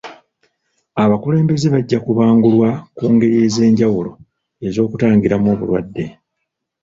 Abakulembeze bajja kubangulwa ku ngeri ez'enjawulo ez'okutangiramu obulwadde